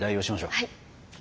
はい。